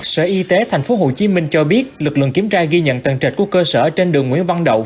sở y tế thành phố hồ chí minh cho biết lực lượng kiểm tra ghi nhận tầng trệch của cơ sở trên đường nguyễn văn đậu